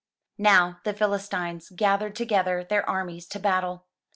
Now the Philistines gathered together their armies to battle.